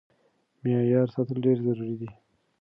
معيار ساتل ډېر ضروري دی.